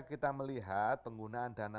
kita melihat penggunaan dana